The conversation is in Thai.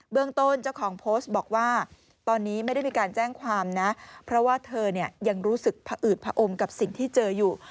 เรื่องต้นเจ้าของโพสต์บอกว่าตอนนี้ไม่ได้มีการแจ้งความนะเพราะว่าเธอเนี่ยยังรู้สึกผอืดผอมกับสิ่งที่เจออยู่